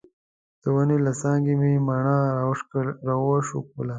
د ونې له څانګې مې مڼه راوشکوله.